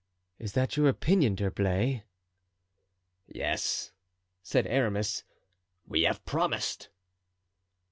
Is that your opinion, D'Herblay?" "Yes," said Aramis, "we have promised."